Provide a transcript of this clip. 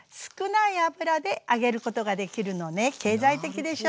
経済的でしょ？